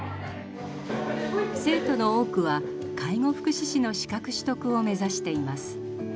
生徒の多くは介護福祉士の資格取得を目指しています。